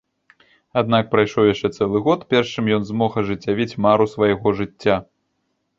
Аднак прайшоў яшчэ цэлы год, перш чым ён змог ажыццявіць мару свайго жыцця.